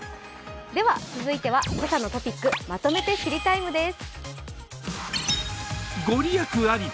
続いては「けさのトピックまとめて知りＴＩＭＥ，」です。